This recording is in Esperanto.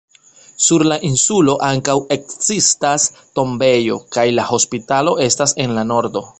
Sur la insulo ankaŭ ekzistas tombejo, kaj la hospitalo estas en la nordo.